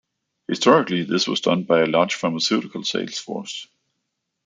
Historically, this was done by a large pharmaceutical sales force.